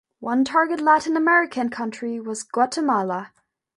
One target Latin American country was Guatemala.